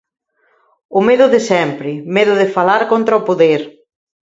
O medo de sempre, medo de falar contra o poder.